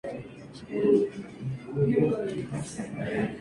Además de examinador en las dos Escuelas Normales: para varones y para señoritas.